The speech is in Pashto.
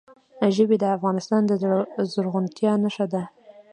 ژبې د افغانستان د زرغونتیا نښه ده.